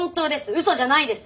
うそじゃないです！